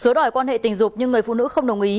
chứa đòi quan hệ tình dục nhưng người phụ nữ không đồng ý